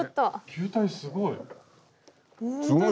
球体すごい！